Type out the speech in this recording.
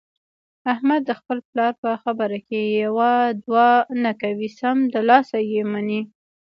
احمد د خپل پلار په خبره کې یوه دوه نه کوي، سمدلاسه یې مني.